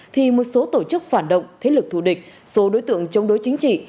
thì một số tổ chức phản động thế lực thù địch số đối tượng chống đối chính trị